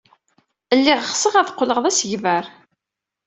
Lliɣ ɣseɣ ad qqleɣ d asegbar.